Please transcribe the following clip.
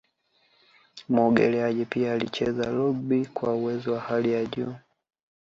muogeleaji pia alicheza rugby kwa uwezo wa hali ya juu